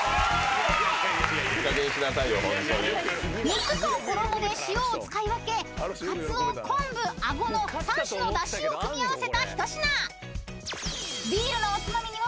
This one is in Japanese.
［肉と衣で塩を使い分けかつおコンブアゴの３種のだしを組み合わせた一品］